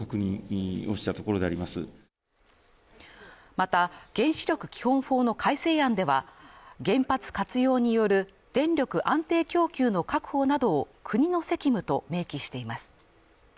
また、原子力基本法の改正案では、原発活用による電力安定供給の確保などを国の責務と明記しています。